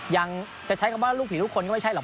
ยังจะใช้คำว่าลูกผีลูกคนก็ไม่ใช่หรอก